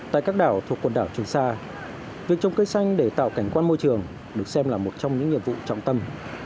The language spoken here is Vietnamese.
tại các đảo thuộc quần đảo trường sa việc trồng cây xanh để tạo cảnh quan môi trường được xem là một trong những nhiệm vụ trọng tâm